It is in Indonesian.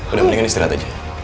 udah mendingan istirahat aja